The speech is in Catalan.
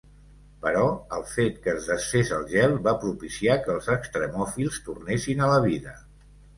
Però el fet que es desfés el gel va propiciar que els extrèmofils tornessin a la vida.